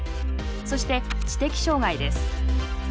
そして知的障害です。